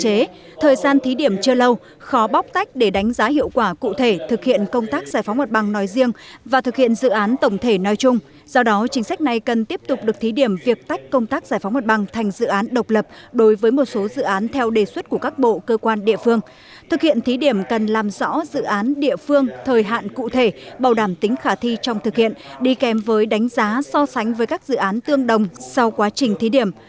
theo bộ kế thời gian thí điểm chưa lâu khó bóc tách để đánh giá hiệu quả cụ thể thực hiện công tác giải phóng mặt bằng nói riêng và thực hiện dự án tổng thể nói chung do đó chính sách này cần tiếp tục được thí điểm việc tách công tác giải phóng mặt bằng thành dự án độc lập đối với một số dự án theo đề xuất của các bộ cơ quan địa phương thực hiện thí điểm cần làm rõ dự án địa phương thời hạn cụ thể bảo đảm tính khả thi trong thực hiện đi kèm với đánh giá so sánh với các dự án tương đồng sau quá trình thí điểm